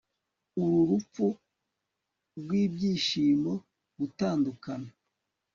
uru rupfu rwibyishimo .... gutandukana